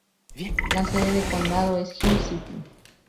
La sede de condado es Hill City.